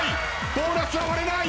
ボーナスは割れない！